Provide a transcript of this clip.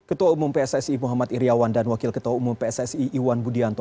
ketua umum pssi muhammad iryawan dan wakil ketua umum pssi iwan budianto